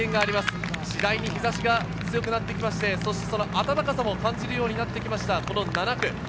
次第に日差しが強くなってきて暖かさも感じるようになってきました、７区。